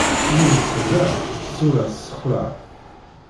Imi yessebleɛ, ṣṣuṛa tessexlaɛ.